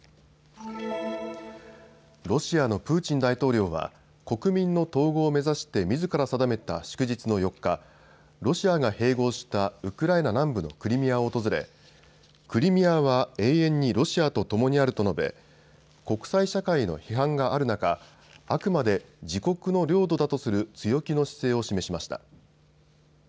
ロシアのプーチン大統領は国民の統合を目指してみずから定めた祝日の４日、ロシアが併合したウクライナ南部のクリミアを訪れクリミアは永遠にロシアとともにあると述べ国際社会の批判がある中、あくまで自国の領土だとする強気の姿勢を示しました。